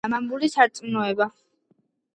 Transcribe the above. “ენა, მამული, სარწმუნოება”